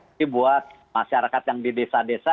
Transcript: jadi buat masyarakat yang di desa desa